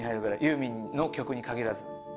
ユーミンの曲に限らず。